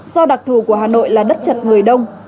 do đặc thù của hà nội là đất chật người đông